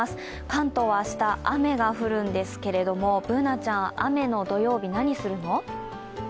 関東は明日、雨が降るんですけれども、Ｂｏｏｎａちゃん、雨の土曜日、何するの？